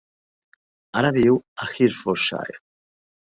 Ara viu a Herefordshire.